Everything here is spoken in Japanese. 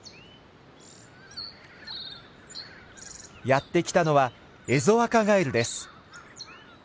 やって来たのはエゾアカガエルです。